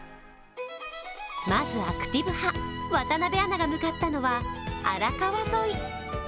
まず、アクティブ派・渡部アナが向かったのは荒川沿い。